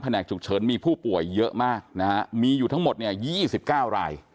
แผนกจุกเฉินมีผู้ป่วยเยอะมากมีอยู่ทั้งหมด๒๙ราย